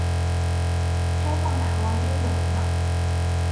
开放打包约定文档。